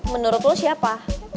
menurut lo siapa